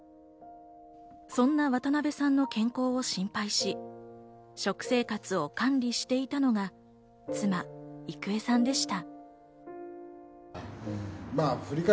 そんな渡辺さんの健康を心配し、食生活を管理していたのが妻・郁恵さんでした。